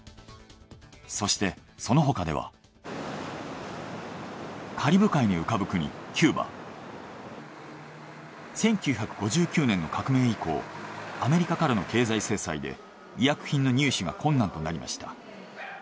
そしてその他ではカリブ海に浮かぶ国１９５９年の革命以降アメリカからの経済制裁で医薬品の入手が困難となりました。